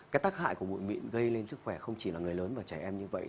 cái tác hại của bụi mịn gây lên sức khỏe không chỉ là người lớn và trẻ em như vậy